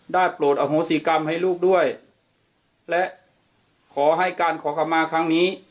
โปรดอโหสิกรรมให้ลูกด้วยและขอให้การขอคำมาครั้งนี้